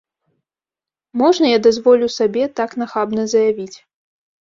Можна, я дазволю сабе так нахабна заявіць?